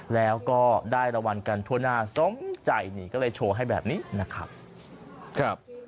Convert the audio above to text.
แล้วก็ได้รางวัลกันทั่วหน้าสมใจนี่ก็เลยโชว์ให้แบบนี้นะครับ